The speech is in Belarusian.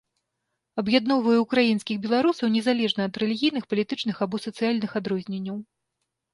Аб'ядноўвае ўкраінскіх беларусаў незалежна ад рэлігійных, палітычных або сацыяльных адрозненняў.